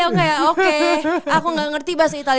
aku kayak oke aku gak ngerti bahasa itali